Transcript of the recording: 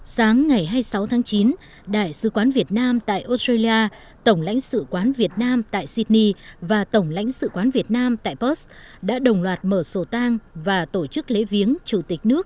sáng ngày hai mươi sáu tháng chín đại sứ quán việt nam tại australia tổng lãnh sự quán việt nam tại sydney và tổng lãnh sự quán việt nam tại post đã đồng loạt mở sổ tang và tổ chức lễ viếng chủ tịch nước